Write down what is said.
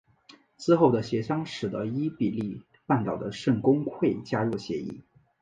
之后的协商使得伊比利半岛的圣公会加入协议。